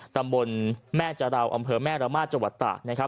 ตำรวจแม่จาราวอำเภอแม่ราม่าจวัตตะ